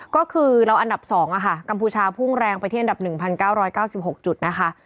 ก็คือเราอันดับ๒กัมพูชาพุ่งแรงไปที่อันดับ๑๙๙๖จุดนะคะ